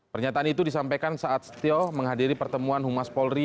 pernyataan itu disampaikan saat setio menghadiri pertemuan humas polri